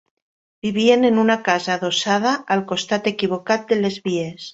Vivien en una casa adossada al costat equivocat de les vies